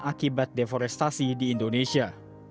akibat deforestasi di indonesia